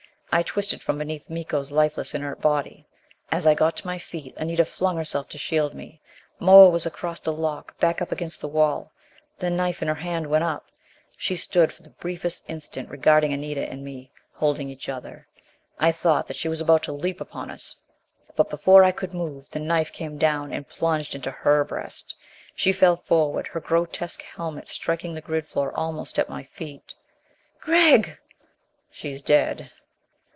I twisted from beneath Miko's lifeless, inert body. As I got to my feet, Anita flung herself to shield me. Moa was across the lock, back up against the wall. The knife in her hand went up. She stood for the briefest instant regarding Anita and me, holding each other. I thought that she was about to leap upon us. But before I could move, the knife came down and plunged into her breast. She fell forward, her grotesque helmet striking the grid floor almost at my feet. "Gregg!" "She's dead."